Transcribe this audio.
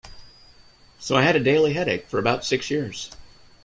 So I had a daily headache for about six years.